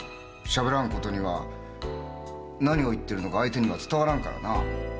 しゃべらんことには何を言ってるのか相手には伝わらんからな。